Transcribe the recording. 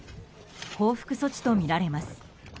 報復措置とみられます。